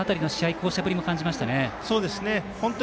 巧者ぶりも感じましたね。